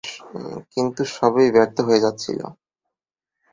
কিন্তু সবই ব্যর্থ হয়ে যাচ্ছিল।